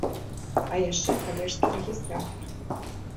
А яшчэ калежскі рэгістратар!